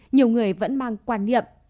nhiều người vẫn mang quan niệm